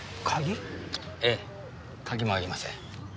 ええ鍵もありません。